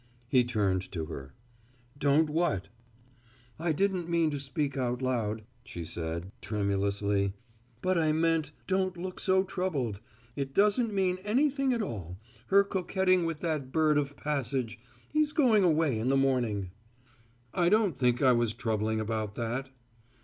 He turned to her. "Don't what?" "I didn't mean to speak out loud," she said tremulously. "But I meant: don't look so troubled. It doesn't mean anything at all her coquetting with that bird of passage. He's going away in the morning." "I don't think I was troubling about that."